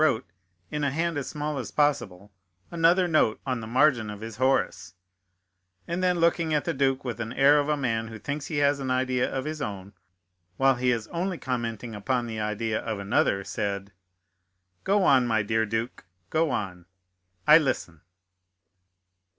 wrote, in a hand as small as possible, another note on the margin of his Horace, and then looking at the duke with the air of a man who thinks he has an idea of his own, while he is only commenting upon the idea of another, said: "Go on, my dear duke, go on—I listen."